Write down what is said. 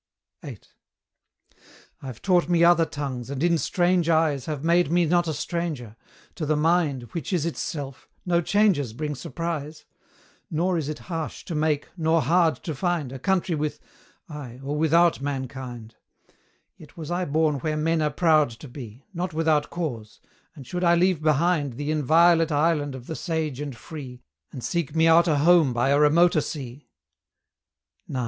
VIII. I've taught me other tongues, and in strange eyes Have made me not a stranger; to the mind Which is itself, no changes bring surprise; Nor is it harsh to make, nor hard to find A country with ay, or without mankind; Yet was I born where men are proud to be, Not without cause; and should I leave behind The inviolate island of the sage and free, And seek me out a home by a remoter sea, IX.